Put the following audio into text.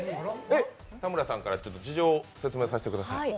田村さんから事情、説明させてください。